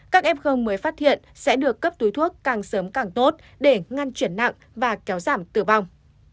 các f mới phát hiện sẽ được cấp túi thuốc càng sớm càng tốt để ngăn chuyển nặng và kéo giảm tử vong